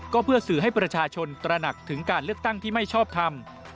ก็เพื่อสื่อให้ประชาชนตระหนักถึงการเลือกตั้งที่ไม่ชอบทำ